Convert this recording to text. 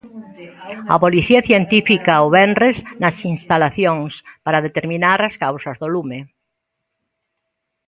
A Policía Científica o venres nas instalacións para determinar as causas do lume.